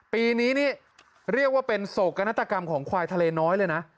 ปีนี้นี่เรียกว่าเป็นโศกนาฏกรรมของควายทะเลน้อยเลยนะ